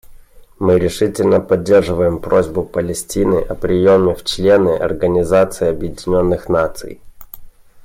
Мы решительно поддерживаем просьбу Палестины о приеме в члены Организации Объединенных Наций.